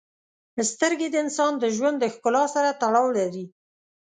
• سترګې د انسان د ژوند د ښکلا سره تړاو لري.